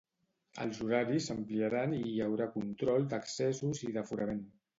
Els horaris s'ampliaran i hi haurà control d'accessos i d'aforament.